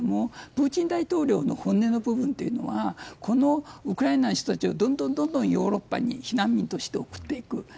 プーチン大統領の本音の部分というのはこのウクライナの人たちをどんどん、どんどんヨーロッパに避難民として送っていく。